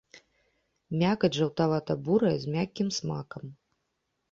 Мякаць жаўтавата-бурая з мяккім смакам.